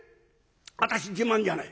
私自慢じゃない。